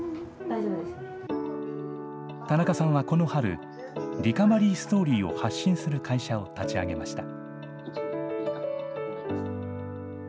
田中さんはこの春、リカバリーストーリーを発信する会社を立ち上げました。